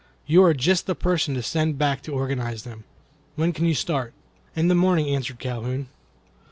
You are just the person to send back to organize them. When can you start?" "In the morning," answered Calhoun.